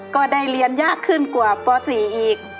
ก็ได้เรียนยากขึ้นกว่าป๔อีก